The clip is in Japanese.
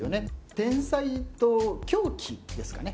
天才と狂気ですかね。